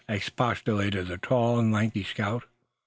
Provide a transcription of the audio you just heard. expostulated the tall and lanky scout.